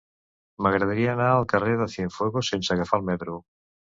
M'agradaria anar al carrer de Cienfuegos sense agafar el metro.